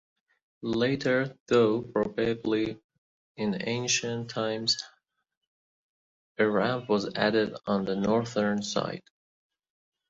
Later, though probably in ancient times, a ramp was added on the northern side.